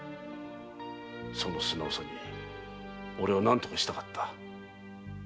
その素直さに俺は何とかしたかった。